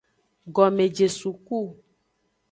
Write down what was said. Gomejesuku.